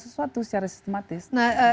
sesuatu secara sistematis